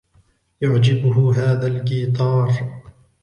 يعجبه هذا الجيتار.